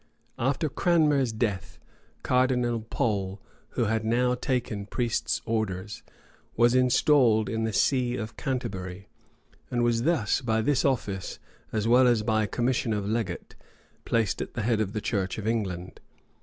[*] After Cranmer's death, Cardinal Pole, who had now taken priest's orders, was installed in the see of Canterbury; and was thus, by this office, as well as by his commission of legate, placed at the head of the church of England.